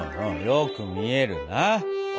よく見えるな。ＯＫ！